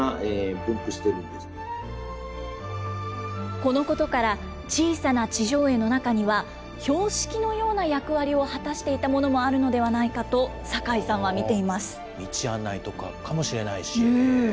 このことから、小さいな地上絵の中には、標識のような役割を果たしていたものもあるのではないかと坂井さ道案内とかかもしれないし。